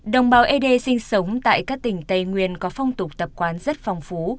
đồng bào ế đê sinh sống tại các tỉnh tây nguyên có phong tục tập quán rất phong phú